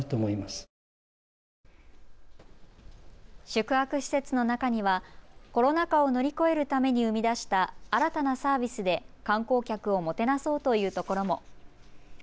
宿泊施設の中にはコロナ禍を乗り越えるために生み出した新たなサービスで観光客をもてなそうというところも。